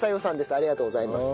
ありがとうございます。